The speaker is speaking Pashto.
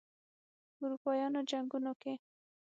یا اروپايانو جنګونو کې